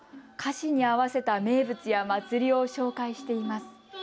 歌詞に合わせた名物や祭りを紹介しています。